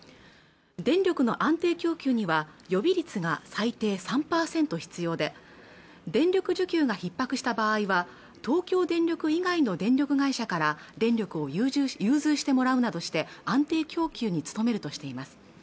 電力の安定供給には予備率が最低３％必要で電力需給がひっ迫した場合は東京電力以外の電力会社から電力を融通してもらうなどして安定供給に努めるとしています